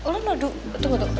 lo nudu tunggu tunggu